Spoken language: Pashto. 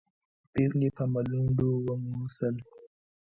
پېغلې په ملنډو وموسل.